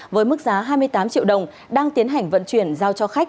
với mức giá hai mươi tám triệu đồng đang tiến hành vận chuyển giao cho khách